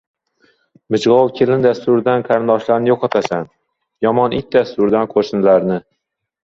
• Mijg‘ov kelin dastidan qarindoshlarni yo‘qotasan, yomon it dastidan — qo‘shnilarni.